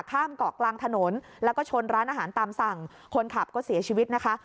ข้ามเกาะกลางถนนแล้วก็ชนร้านอาหารตามสั่งคนขับก็เสียชีวิตนะคะ